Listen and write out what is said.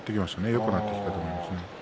よくなってきたと思います。